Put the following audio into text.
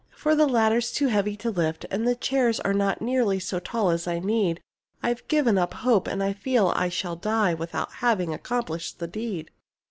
For the ladder's too heavy to lift, and the chairs Are not nearly so tall as I need. I've given up hope, and I feel I shall die Without having accomplished the deed.